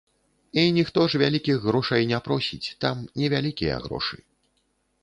І ніхто ж вялікіх грошай не просіць, там невялікія грошы.